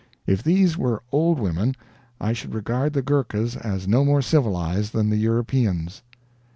If these were old women I should regard the Ghurkas as no more civilized than the Europeans.